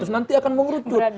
nanti akan mengerucut